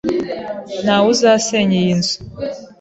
Ntawe uzasenya iyi nzu.